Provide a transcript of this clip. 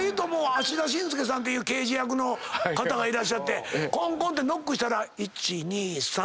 芦田伸介さんっていう刑事役の方がいらっしゃってコンコンってノックしたら。